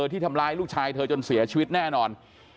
ที่ทำร้ายลูกชายเธอจนเสียชีวิตแน่นอน